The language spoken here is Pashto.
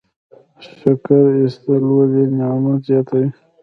شکر ایستل ولې نعمت زیاتوي؟